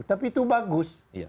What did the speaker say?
tapi itu bagus